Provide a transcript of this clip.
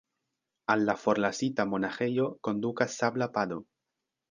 Al la forlasita monaĥejo kondukas sabla pado.